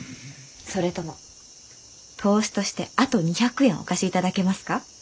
それとも投資としてあと２００円お貸しいただけますか？